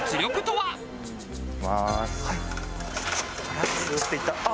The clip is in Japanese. はい。